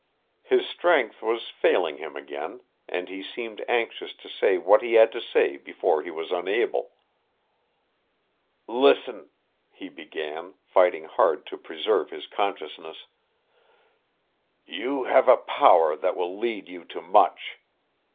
His strength was failing him again and he seemed anxious to say what he had to say before he was unable. "Listen!" he began, fighting hard to preserve his consciousness. "You have a power that will lead you to much.